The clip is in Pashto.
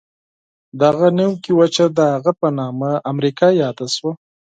دغه نوې وچه د هغه په نامه امریکا یاده شوه.